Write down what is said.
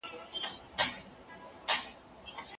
غریب خو روغ خوشحاله وي.